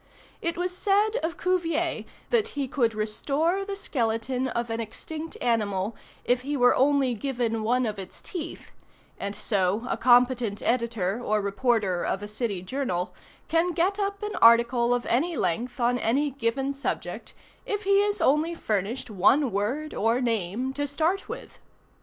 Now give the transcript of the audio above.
It was said of Cuvier that he could restore the skeleton of an extinct animal if he were only given one of its teeth, and so a competent editor or reporter of a city journal can get up an article of any length on any given subject, if he is only furnished one word or name to start with.